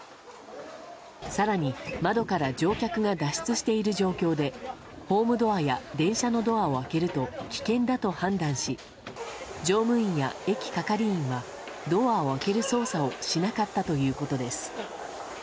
更に、窓から乗客が脱出している状況でホームドアや電車のドアを開けると危険だと判断し乗務員や駅係員はドアを開ける操作をしなかったということです。